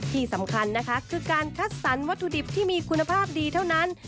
ที่สำคัญนะคะคือการคัดสรรวัตถุดิบที่มีคุณภาพดีเท่านั้น